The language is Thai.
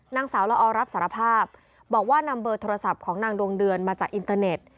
นางสาวละออรับสารภาพบอกว่านำเบอร์โทรศัพท์ของนางดวงเดือนมาจากอินเตอร์เน็ต